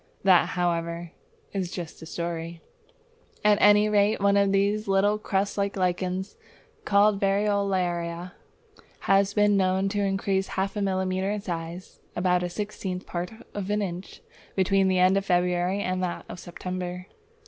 That, however, is just a story! At any rate, one of these little crust lichens called Variolaria has been known to increase half a millimetre in size (about a sixtieth part of an inch) between the end of February and that of September.